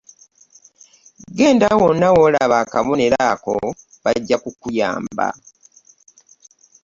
Genda wonna w'olaba akabonero ako bajja kukuyamba.